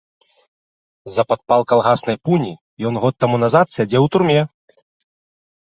За падпал калгаснай пуні ён год таму назад сядзеў у турме.